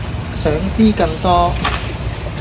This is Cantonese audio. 想知更多